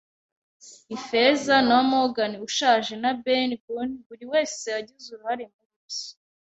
Ifeza, na Morgan ushaje, na Ben Gunn - buri wese yagize uruhare muri ibyo